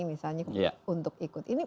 misalnya untuk ikut ini